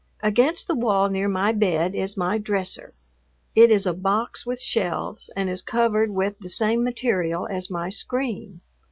Against the wall near my bed is my "dresser." It is a box with shelves and is covered with the same material as my screen.